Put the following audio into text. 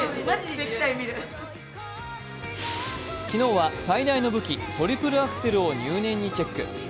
昨日は最大の武器、トリプルアクセルを入念にチェック。